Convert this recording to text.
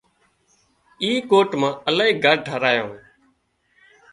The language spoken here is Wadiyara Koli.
اي ڪوٽ مان الاهي گھر ٺاهرايان